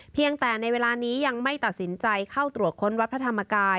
เพียงแต่ในเวลานี้ยังไม่ตัดสินใจเข้าตรวจค้นวัดพระธรรมกาย